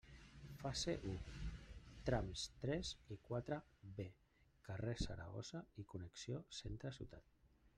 Fase u, trams tres i quatre B, carrer Saragossa i connexió centre ciutat.